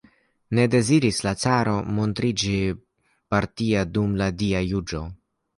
Ne deziris la caro montriĝi partia dum la Dia juĝo.